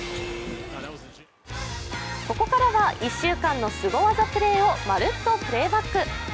ここからは１しゅうかんのスゴ技プレーをまるっとプレイバック。